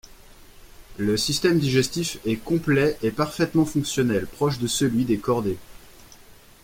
Le système digestif est complet et parfaitement fonctionnel, proche de celui des chordés.